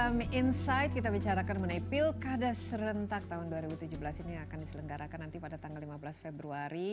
dalam insight kita bicarakan mengenai pilkada serentak tahun dua ribu tujuh belas ini akan diselenggarakan nanti pada tanggal lima belas februari